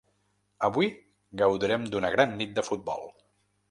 Avui gaudirem d’una gran nit de futbol.